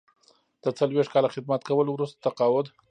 د څلویښت کاله خدمت کولو وروسته تقاعد.